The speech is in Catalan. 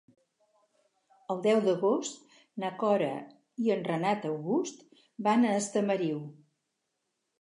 El deu d'agost na Cora i en Renat August van a Estamariu.